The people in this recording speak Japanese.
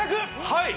はい。